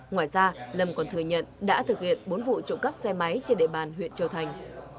ngoài ra lâm còn thừa nhận đã thực hiện bốn vụ trộm cắp xe máy trên địa bàn huyện châu thành